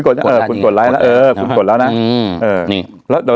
คุณกดไลน์แล้วนะ